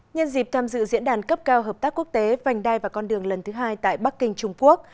nhân dịp tham dự diễn đàn cấp cao hợp tác quốc tế vành đai và con đường lần thứ hai tại bắc kinh trung quốc